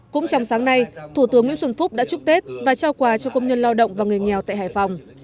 cũng trong sáng nay thủ tướng nguyễn xuân phúc đã chúc tết và trao quà cho công nhân lao động và người nghèo tại hải phòng